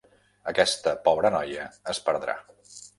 Aquesta pobra noia es perdrà.